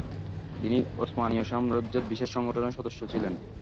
তিনি উসমানীয় সাম্রাজ্যের বিশেষ সংগঠনের সদস্য ছিলেন।